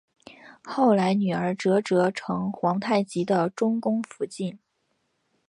后来女儿哲哲成皇太极的中宫福晋。